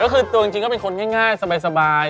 ก็คือตัวจริงก็เป็นคนง่ายสบาย